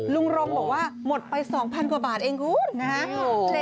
ลุงรมบอกว่าหมดไป๒๐๐๐เองนะฮะ